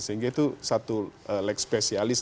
sehingga itu satu leg spesialis